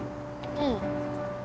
うん。